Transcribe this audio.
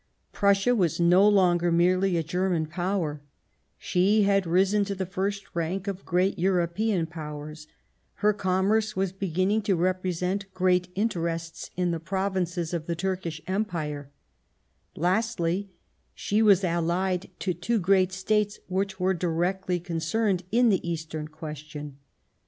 Prussia was no longer merely a German Power ; she had risen to the first rank of great European Powers ; her commerce was beginning to represent great interests in the Pro vinces of the Turkish Empire ; lastly, she was allied to two great States which were directly con cerned in the Eastern question.